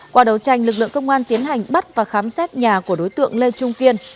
qua đấu tranh lực lượng công an tiến hành bắt và khám xét nhà của đối tượng lê trung kiên